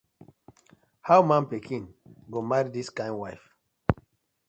How man pikin go marry dis kind wife.